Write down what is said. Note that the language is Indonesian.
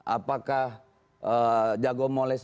apakah jago molest